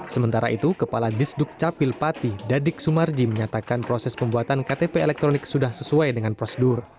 sementara itu kepala disduk capil pati dadik sumarji menyatakan proses pembuatan ktp elektronik sudah sesuai dengan prosedur